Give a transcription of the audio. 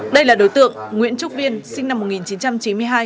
đây là đối tượng nguyễn trúc viên sinh năm một nghìn chín trăm chín mươi hai